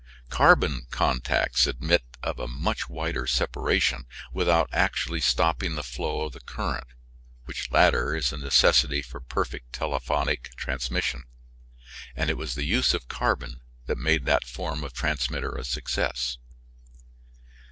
Carbon contacts admit of a much wider separation without actually stopping the flow of the current, which latter is a necessity for perfect telephonic transmission, and it was the use of carbon that made that form of transmitter a success.